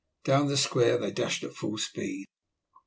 Down the square they dashed at full speed.